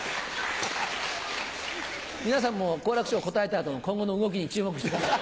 皆さんも好楽師匠答えた後の今後の動きに注目してください。